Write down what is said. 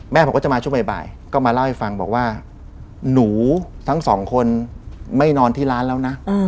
ผมก็จะมาช่วงบ่ายก็มาเล่าให้ฟังบอกว่าหนูทั้งสองคนไม่นอนที่ร้านแล้วนะ